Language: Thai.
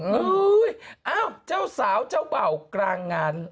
อืมเออเจ้าสาวเจ้าเบากลางงาน